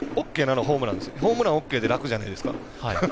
ホームランＯＫって楽じゃないですか。